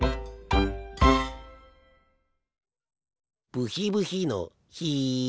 ブヒブヒのヒ。